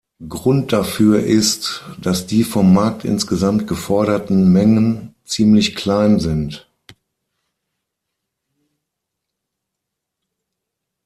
Grund dafür ist, dass die vom Markt insgesamt geforderten Mengen ziemlich klein sind.